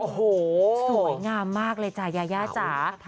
โอ้โหสวยงามมากเลยจ้ะยายาจ๋า